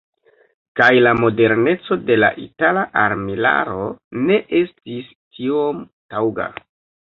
Kaj la moderneco de la itala armilaro ne estis tiom taŭga.